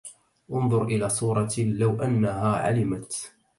أنظر إلى صورة لو أنها علمت